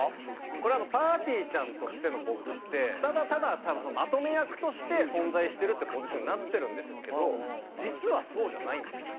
これはぱーてぃーちゃんとしての僕ってただただまとめ役として存在してるってポジションになってるんですけど実はそうじゃないんですよと。